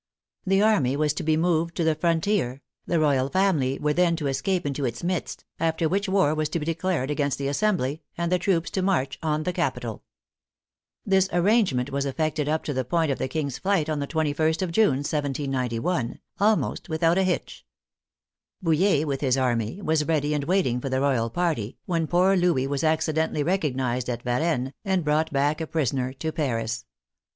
The army was to be moved to the frontier, the royal family were then to escape into its midst, after which war was to be declared against the Assembly, and the troops to march on the capital. This arrangement was effected up to the point of the King's flight on the 21st of June, 1791, almost without a hitch. Bouille, with his army, was ready and waiting for the royal party, when poor Louis was accidentally recognized at Varennes, and brought back a prisoner to Paris.